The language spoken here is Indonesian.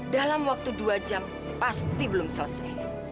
dalam waktu dua jam pasti belum selesai